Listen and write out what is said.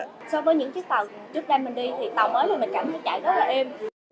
so với những chiếc tàu trước đây mình đi thì tàu mới mình cảm thấy chạy rất là tốt